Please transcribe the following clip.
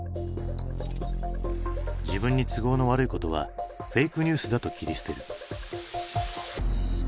自分に都合の悪いことは「フェイクニュースだ」と切り捨てる。